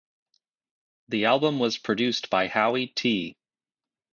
The album was produced by Howie Tee.